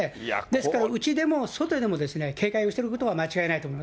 ですから内も外でもですね、警戒をしてることは間違いないと思い